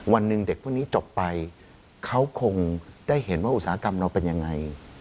วันหนึ่งเด็กพวกนี้จบไปเขาคงได้เห็นว่าอุตสาหกรรมเราเป็นยังไง